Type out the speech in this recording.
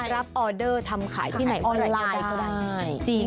ออเดอร์ทำขายที่ไหนออนไลน์ก็ได้